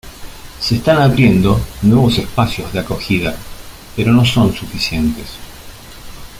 Se están abriendo nuevos espacios de acogida, pero no son suficientes.